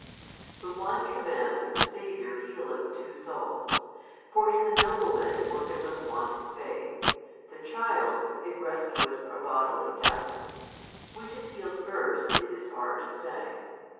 The one command of the Saviour healeth two souls. For in the nobleman it worketh unwonted faith, the child it rescueth from bodily death. Which is healed first it is hard to say.